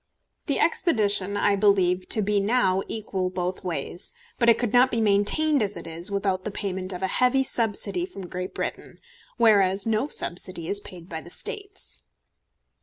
The expedition I believe to be now equal both ways; but it could not be maintained as it is without the payment of a heavy subsidy from Great Britain, whereas no subsidy is paid by the States.